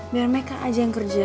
biar mereka aja yang kerja